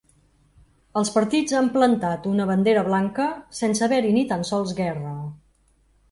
Els partits han plantat una bandera blanca sense haver-hi ni tan sols guerra.